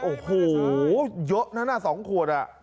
โอ้โฮเยอะหน้าสองขวด